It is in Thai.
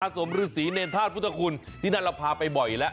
สมฤษีเนรธาตุพุทธคุณที่นั่นเราพาไปบ่อยแล้ว